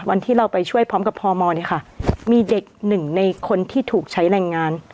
วันที่เราไปช่วยพร้อมกับพมเนี่ยค่ะมีเด็กหนึ่งในคนที่ถูกใช้แรงงาน